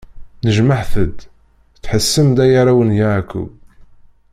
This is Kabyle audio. Nnejmaɛet-d, tḥessem-d, ay arraw n Yeɛqub!